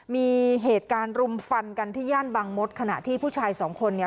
มีเหตุการณ์รุมฟันกันที่ย่านบางมดขณะที่ผู้ชายสองคนเนี่ย